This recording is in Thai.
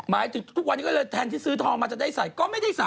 หมายถึงทุกวันนี้ก็เลยแทนที่ซื้อทองมาจะได้ใส่ก็ไม่ได้ใส่